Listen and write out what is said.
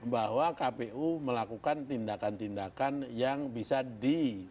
bahwa kpu melakukan tindakan tindakan yang bisa di